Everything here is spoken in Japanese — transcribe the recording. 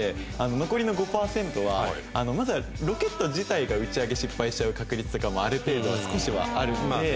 残りの５パーセントはまずはロケット自体が打ち上げ失敗しちゃう確率とかもある程度少しはあるので。